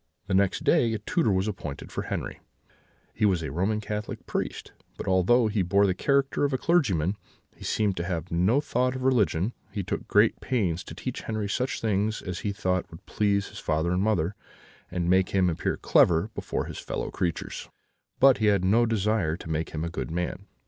"The next day a tutor was appointed for Henri: he was a Roman Catholic priest; but although he bore the character of a clergyman, he seemed to have no thought of religion; he took great pains to teach Henri such things as he thought would please his father and mother, and make him appear clever before his fellow creatures, but he had no desire to make him a good man.